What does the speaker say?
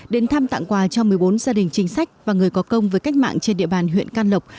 đến thăm tặng quà cho một mươi bốn gia đình chính sách và người có công với cách mạng trên địa bàn huyện can lộc